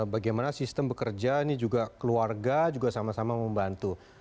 bagaimana sistem bekerja ini juga keluarga juga sama sama membantu